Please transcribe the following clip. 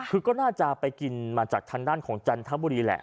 คือก็น่าจะไปกินมาจากทางด้านของจันทบุรีแหละ